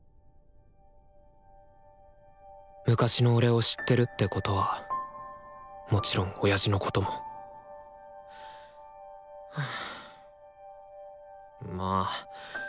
昔の俺を知ってるってことはもちろん親父のこともはあまあ